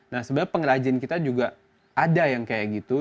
nah sebenarnya pengrajin kita juga ada yang kayak gitu